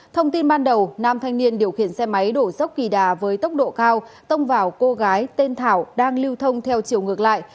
thông tin ban đầu nam thanh niên điều khiển xe máy đổ dốc kỳ đà với tốc độ cao tông vào cô gái tên thảo đang lưu thông theo chiều ngược lại